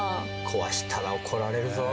壊したら怒られるぞ。